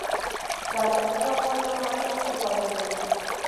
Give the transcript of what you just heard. San, un capo de la mafia ecuatoriana.